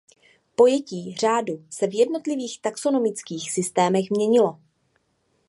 Pojetí řádu se v jednotlivých taxonomických systémech měnilo.